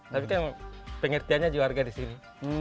tapi kan pengertiannya juarga di sini